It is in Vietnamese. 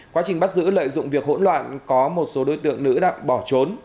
quá trình bắt giữ lợi dụng việc hỗn loạn có một số đối tượng nữ đã bỏ trốn